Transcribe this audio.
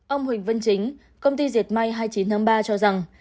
ông huỳnh vân chính công ty diệt may hai mươi chín tháng ba cho rằng